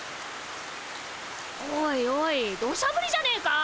おいおいどしゃぶりじゃねえか。